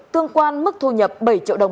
tương quan mức thu nhập bảy triệu đồng